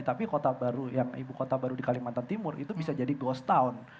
tapi kota baru yang ibu kota baru di kalimantan timur itu bisa jadi ghost town